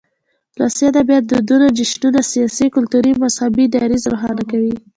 ولسي ادبيات دودنه، جشنونه ،سياسي، کلتوري ،مذهبي ، دريځ روښانه کوي.